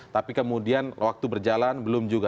tapi kemudian waktu berjalan belum juga